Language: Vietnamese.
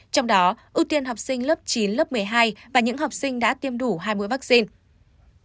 trong đó ưu tiên học sinh lớp chín lớp một mươi hai và những học sinh đã tiêm đủ hai mũi vaccine